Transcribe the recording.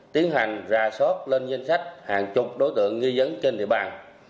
tiến hành ra sót lên danh sách hàng chục đối tượng nghi dấn trên địa bàn